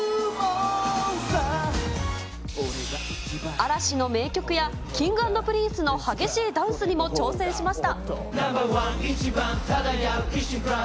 嵐の名曲や、Ｋｉｎｇ＆Ｐｒｉｎｃｅの激しいダンスにも挑戦しました。